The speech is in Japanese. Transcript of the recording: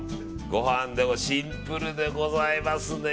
ごはんでもシンプルでございますね。